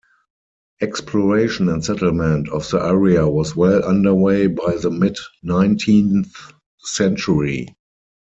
Exploration and settlement of the area was well underway by the mid-nineteenth century.